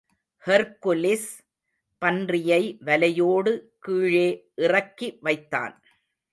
Hercules பன்றியை வலையோடு கீழே இறக்கி வைத்தான்.